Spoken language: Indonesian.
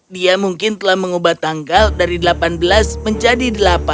dia mungkin telah mengubah tanggal dari delapan belas menjadi delapan